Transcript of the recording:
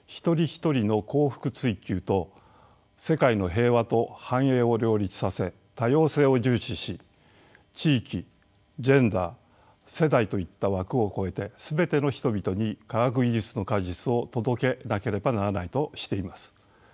人一人の幸福追求と世界の平和と繁栄を両立させ多様性を重視し地域ジェンダー世代といった枠を超えて全ての人々に科学技術の果実を届けなければならないとしています。